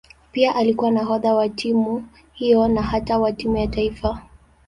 Pia alikuwa nahodha wa timu hiyo na hata wa timu ya taifa.